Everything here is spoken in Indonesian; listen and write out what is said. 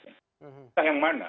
pemerintah yang mana